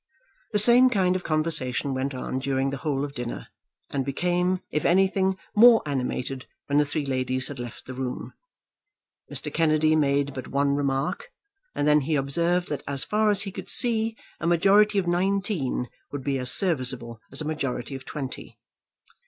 The same kind of conversation went on during the whole of dinner, and became, if anything, more animated when the three ladies had left the room. Mr. Kennedy made but one remark, and then he observed that as far as he could see a majority of nineteen would be as serviceable as a majority of twenty.